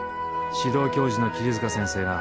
指導教授の桐塚先生が